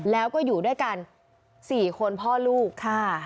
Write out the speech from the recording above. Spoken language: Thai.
แล้วก็อยู่ด้วยกัน๔คนพ่อลูกค่ะ